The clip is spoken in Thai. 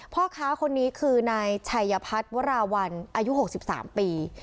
พ่อค้าคนนี้คือนายชัยพัฒน์วราวัลอายุ๖๓ปี